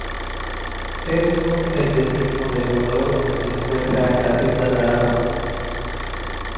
Es un endemismo de Ecuador donde se encuentra en las Islas Galápagos.